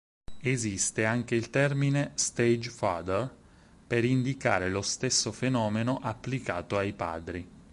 Esiste anche il termine Stage father, per indicare lo stesso fenomeno applicato ai padri.